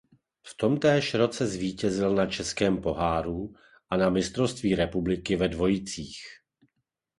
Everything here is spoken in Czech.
V tomtéž roce zvítězil na Českém poháru a na mistrovství republiky ve dvojicích.